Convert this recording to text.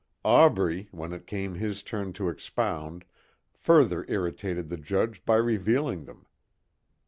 Aubrey, when it came his turn to expound, further irritated the judge by revealing them.